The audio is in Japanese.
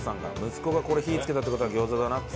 息子が火つけたって事は餃子だなって。